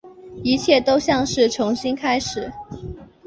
一切都像是重新开始